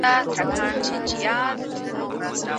وزیرانو به د مظلومانو کلکه ساتنه کوله.